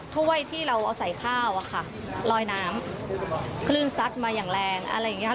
ทั่วเว่ยที่เราเอาใส่ภาวลอยน้ำครึ่งซัดมาอย่างแรงอะไรอย่างงี้